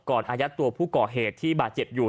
อายัดตัวผู้ก่อเหตุที่บาดเจ็บอยู่